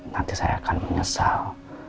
nanti saya akan menyesal